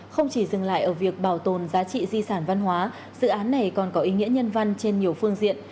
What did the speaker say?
không chỉ dừng lại ở việc bảo tồn giá trị di sản văn hóa dự án này còn có ý nghĩa nhân văn trên nhiều phương diện